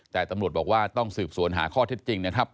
แต่ตำรวจบอกว่าต้องสืบสวนหาข้อเท็จจริงนะครับ